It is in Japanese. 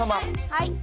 はい。